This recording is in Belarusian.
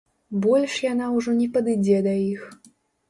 Больш яна ўжо не падыдзе да іх!